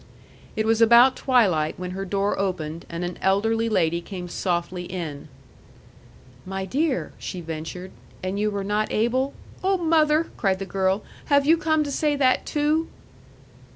It was about twilight when her door opened, and an elderly lady came softly in. "My dear," she ventured, "and you were not able " "Oh, mother!" cried the girl, "have you come to say that too?"